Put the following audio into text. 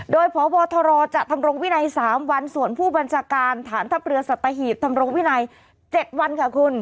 โดยพบทรจะทำรงวินัย๓วันส่วนผู้บัญชาการฐานทัพเรือสัตหีบทำรงวินัย๗วันค่ะคุณ